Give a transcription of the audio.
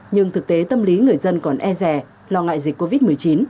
nhưng thực tế tâm lý người dân còn e rè lo ngại dịch covid một mươi chín